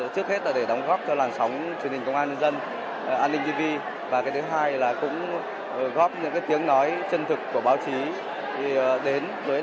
trong đó truyền hình công an nhân dân antv đã vinh dự được nhận một giải ở thể loại phóng sự với tác phẩm đem đến cho người xem một cái nhìn toàn cảnh